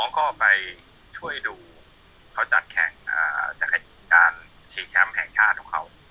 ๒ก็ไปช่วยดูเขาจัดแข่งจักรยินการชีวิตแชมป์แห่งชาติของเขา